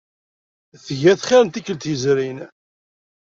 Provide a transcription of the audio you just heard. Tga-t xir n tikkelt yezrin.